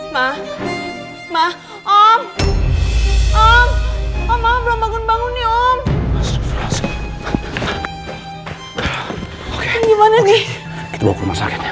ma ma om ma ma belum bangun bangun om